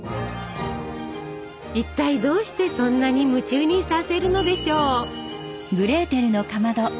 一体どうしてそんなに夢中にさせるのでしょう？